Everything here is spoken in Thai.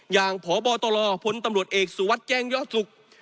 อย่างผบตลผลตำรวจเอกสุวัสดิ์แจ้งเยาะสุก